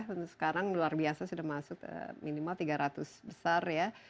dan sekarang luar biasa sudah masuk minimal tiga ratus besar ya